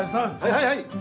はいはい。